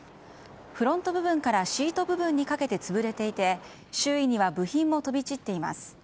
フロント部分からシート部分にかけて潰れていて周囲には部品も飛び散っています。